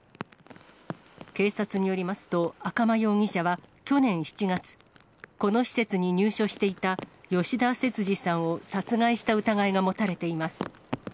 警察によりますと、赤間容疑者は去年７月、この施設に入所していた吉田節次さんを殺害した疑いが持たれています。